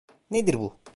Nedir bu?